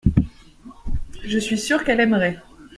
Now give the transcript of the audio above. Je suis sûr qu’elle aimerait.